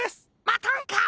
またんか！